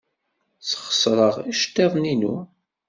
Sxeṣreɣ iceḍḍiḍen-inu.